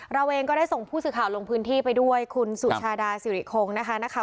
เราเองก็ได้ส่งผู้สื่อข่าวลงพื้นที่ไปด้วยคุณสุชาดาสิริคงนะคะ